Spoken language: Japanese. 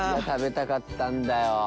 食べたかったんだよ